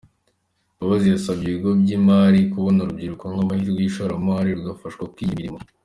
Mbabazi yasabye ibigo by’imari kubona urubyiruko nk’amahirwe y’ishoramari rugafashwa kwiangira imirimo.